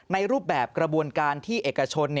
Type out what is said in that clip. รูปแบบกระบวนการที่เอกชน